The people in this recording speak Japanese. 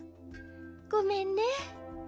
ごめんね。